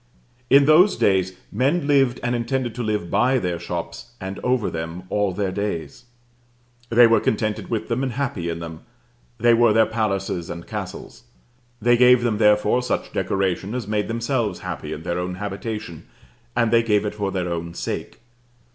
In those days men lived, and intended to live by their shops, and over them, all their days. They were contented with them and happy in them: they were their palaces and castles. They gave them therefore such decoration as made themselves happy in their own habitation, and they gave it for their own sake.